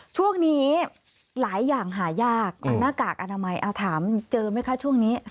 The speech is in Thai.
ช่วงนี้หลายอย่างหายากหน้ากากอนามัยเอาถามเจอไหมคะช่วงนี้